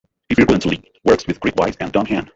He frequently works with Kirk Wise and Don Hahn.